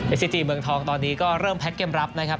ซิจีเมืองทองตอนนี้ก็เริ่มแพ็คเกมรับนะครับ